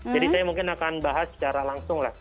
saya mungkin akan bahas secara langsung lah